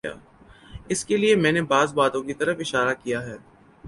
اس کے لیے میں نے بعض باتوں کی طرف اشارہ کیا ہے۔